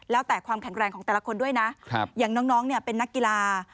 แล้วแต่ความแข็งแรงของแต่ละคนด้วยนะอย่างน้องเนี่ยเป็นนักกีฬา